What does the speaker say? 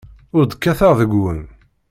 Ur d-kkateɣ deg-wen.